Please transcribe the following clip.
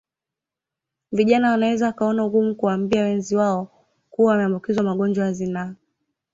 Vijana wanaweza wakaona ugumu kuwaambia wenzi wao kuwa wameambukizwa magonjwa ya zinaa